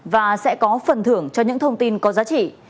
và sẽ có phần thưởng cho những thông tin có giá trị